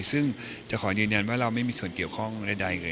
ซึ่งจะขอยืนยันว่าเราไม่มีส่วนเกี่ยวข้องใดเลย